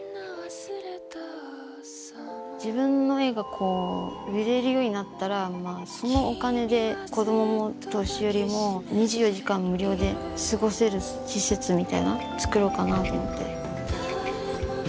自分の絵がこう売れるようになったらそのお金で子どもも年寄りも２４時間無料で過ごせる施設みたいな作ろうかなと思って。